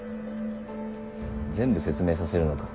全部説明させるのか。